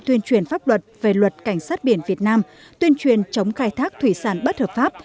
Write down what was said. tuyên truyền pháp luật về luật cảnh sát biển việt nam tuyên truyền chống khai thác thủy sản bất hợp pháp